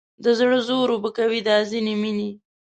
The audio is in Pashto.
د زړه زور اوبه کوي دا ځینې مینې